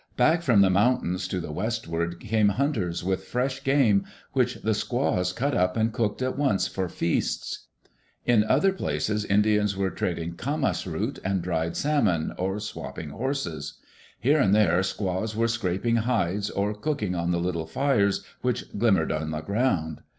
Back from the moun tains to die westward came hunters with fresh game, which the squaws cut up and cooked at once for feasts. In other places Indians were trading camas root and dried salmon^ or swapping horses. Here and there squaws were scrap ing hides, or cooking on the little fires which glimmered on the ground.